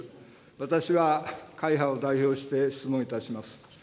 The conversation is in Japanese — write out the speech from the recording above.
私は会派を代表して質問いたします。